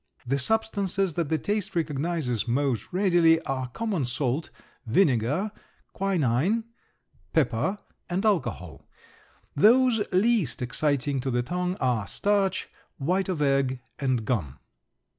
The substances that the taste recognizes most readily are common salt, vinegar, quinine, pepper, and alcohol. Those least exciting to the tongue are starch, white of egg, and gum.